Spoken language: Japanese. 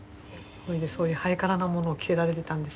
それでそういうハイカラなものを着せられていたんですよ。